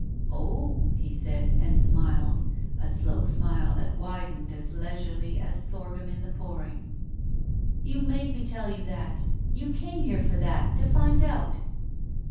''Oh/' he said, and smiled, a slow smile that widened as leisurely as sorghtun in the potuing. "You made me tell you that! You came here for that. To find out!"